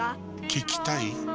聞きたい？